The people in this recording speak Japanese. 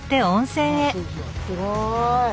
すごい。